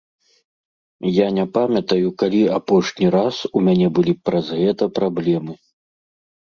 Я не памятаю, калі апошні раз у мяне былі праз гэта праблемы.